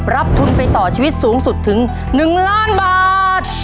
รับทุนไปต่อชีวิตสูงสุดถึง๑ล้านบาท